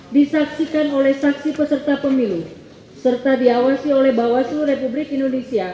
disaksikan oleh saksi peserta pemilu serta diawasi oleh bawaslu republik indonesia